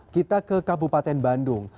kita ke kabupaten bandung